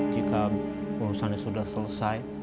jika urusan sudah selesai